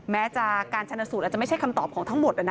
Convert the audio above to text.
แม้จากการชนสูตรอาจจะไม่ใช่คำตอบของทั้งหมด